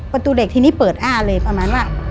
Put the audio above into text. ประตูเด็กทีนี้เปิดอ้าเลยประมาณว่า